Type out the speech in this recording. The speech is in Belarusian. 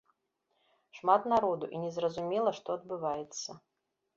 Шмат народу і незразумела, што адбываецца.